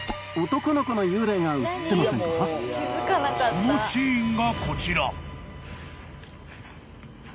［そのシーンがこちら］